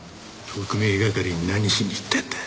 特命係に何しに行ったんだ？